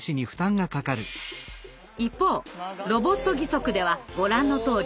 一方ロボット義足ではご覧のとおり。